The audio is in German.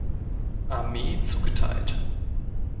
Armee zugeteilt.